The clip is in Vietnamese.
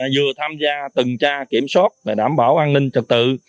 vừa tham gia tần tra kiểm soát và đảm bảo an ninh trật tự